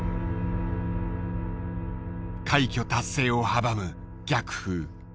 快挙達成を阻む逆風。